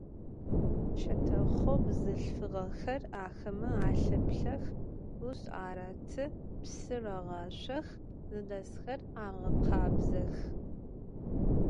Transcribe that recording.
Çetexho bzılhfığexer axeme alheplhex, 'us aratı, psı rağaşsox, zıdesxer ağekhabzex.